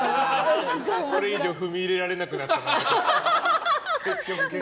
これ以上踏み入れられなくなったな。